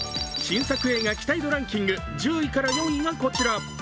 新作映画期待度ランキング１０位から４位がこちら。